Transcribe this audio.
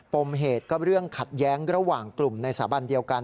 มเหตุก็เรื่องขัดแย้งระหว่างกลุ่มในสถาบันเดียวกัน